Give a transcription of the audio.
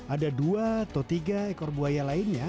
ada dua atau tiga ekor buaya lainnya